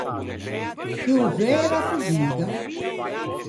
Ti ô veu un rappo d’uga?